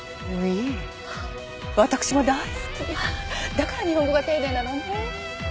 だから日本語が丁寧なのね。